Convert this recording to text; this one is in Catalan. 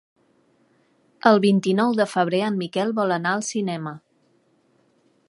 El vint-i-nou de febrer en Miquel vol anar al cinema.